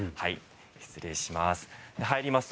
失礼します。